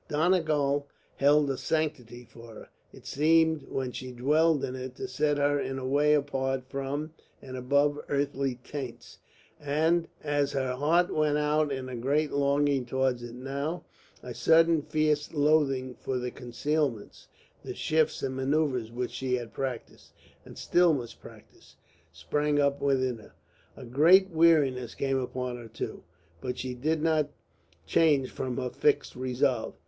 Donegal had a sanctity for her, it seemed when she dwelled in it to set her in a way apart from and above earthly taints; and as her heart went out in a great longing towards it now, a sudden fierce loathing for the concealments, the shifts and maneuvers which she had practised, and still must practise, sprang up within her. A great weariness came upon her, too. But she did not change from her fixed resolve.